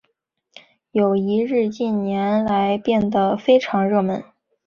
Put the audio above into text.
友谊日近年来变得非常热门。